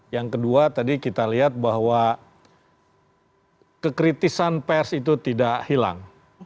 yang kedua tadi kita lihat bahwa kekritisan pers itu tidak hilang